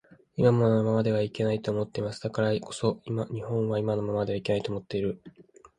今のままではいけないと思っています。だからこそ日本は今のままではいけないと思っている